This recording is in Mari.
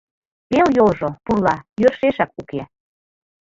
Пел йолжо, пурла, йӧршешак уке.